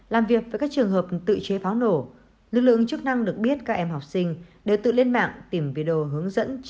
làm việc với các trường hợp tự chế pháo nổ lực lượng chức năng được biết các em học sinh đều tự lên mạng tìm video hướng dẫn